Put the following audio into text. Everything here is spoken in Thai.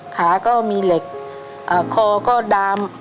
ขาก็มีเหล็กคอก็ดาม